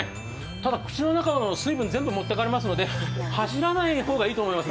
ただ、口の中の水分、全部もっていかれますので走らない方がいいと思います